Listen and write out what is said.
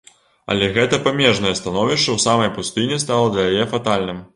Але гэта памежнае становішча ў самай пустыні стала для яе фатальным.